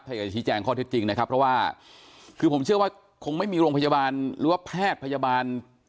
อยากจะชี้แจงข้อเท็จจริงนะครับเพราะว่าคือผมเชื่อว่าคงไม่มีโรงพยาบาลหรือว่าแพทย์พยาบาล